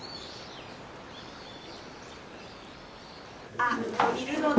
あっいるので。